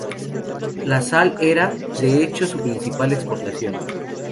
La sal era, de hecho, su principal exportación.